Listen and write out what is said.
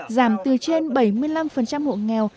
giảm từ trên bảy mươi năm hộ nghèo